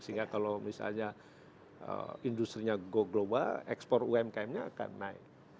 sehingga kalau misalnya industri nya go global ekspor umkm nya akan naik